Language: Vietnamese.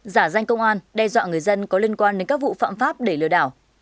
giả danh công an đe dọa người dân có liên quan đến các vụ phạm pháp để lừa đảo